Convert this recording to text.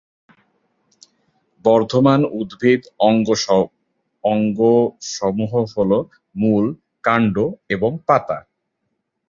বর্ধমান উদ্ভিদ অঙ্গ সমূহ হলো মূল, কাণ্ড এবং পাতা।